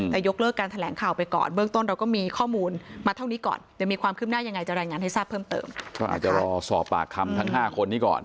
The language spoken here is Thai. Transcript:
แต่ยกเลิกการแข่งข่าวไปก่อนเบื้องต้นเราก็มีข้อมูลมาเท่านี้ก่อน